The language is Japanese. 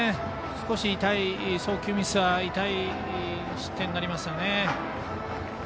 送球ミスが痛い失点になりましたね。